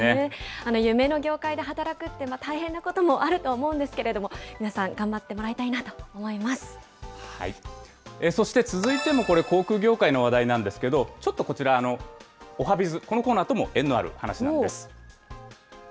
夢の業界で働くって大変なこともあるとは思うんですけど、皆さん、そして続いてもこれ、航空業界の話題なんですけど、ちょっとこちら、おはＢｉｚ、このコーナーとも縁のある話なんです。